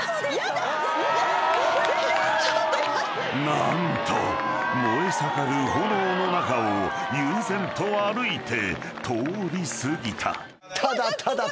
［何と燃え盛る炎の中を悠然と歩いて通り過ぎた］